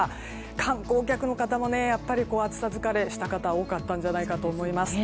観光客の方も暑さ疲れした方多かったんじゃないかと思います。